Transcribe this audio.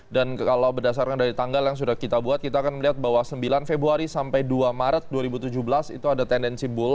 dan kalau berdasarkan dari tanggal yang sudah kita buat kita akan melihat bahwa sembilan februari sampai dua maret dua ribu tujuh belas itu ada tendensi bull